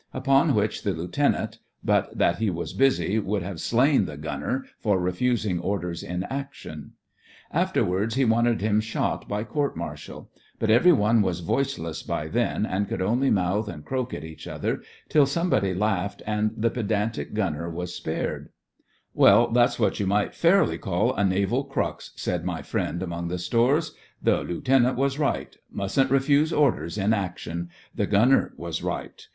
Upon which the lieutenant, but that he was busy, would have slain the gunner for refusing orders in action. Afterwards he wanted him shot by court martial. But every one was voiceless by then, and could only mouth and croak at each other, till somebody laughed, and the pe dantic gunner was spared. THE FRINGES OF THE FLEET 87 "Well, that's what you might fairly call a naval crux," said my friend among the stores. "The Loo tenant was right. 'Mustn't refuse orders in action. The Gunner was right.